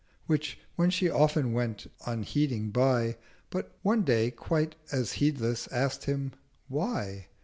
Which when she often went unheeding by, But one day quite as heedless ask'd him—'Why?'